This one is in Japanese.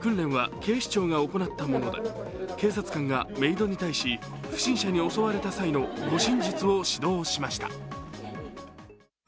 訓練は警視庁が行ったもので警察官がメイドに対し不審者に襲われた際の護身術を指導しました。